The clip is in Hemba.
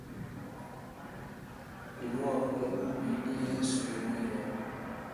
Limuongolola bubi ni yesu ge mwine.